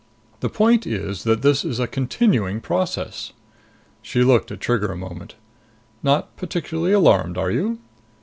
The point is that this is a continuing process." She looked at Trigger a moment. "Not particularly alarmed, are you?"